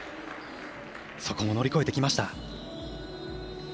そこも乗り越えてきました。